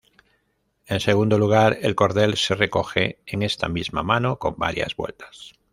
En segundo lugar, el cordel se recoge en esta misma mano con varias vueltas.